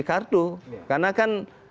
kartu karena kan